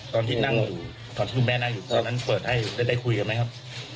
ตอนที่นั่งตอนที่แม่น้องอยู่ตอนนั้นเปิดให้ได้ได้คุยกับมั้ยครับ